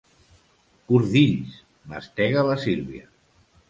Cordills! —mastega la Sílvia.